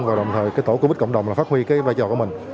và đồng thời cái tổ covid cộng đồng là phát huy cái vai trò của mình